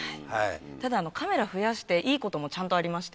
ただカメラ増やしていいこともちゃんとありまして。